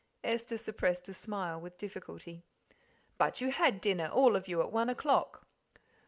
Esther suppressed a smile with difficulty. "But you had dinner, all of you, at one o'clock."